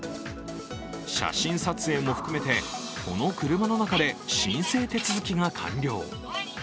写真撮影も含めて、この車の中で申請手続きが完了。